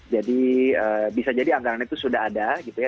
jadi bisa jadi anggarannya itu sudah ada gitu ya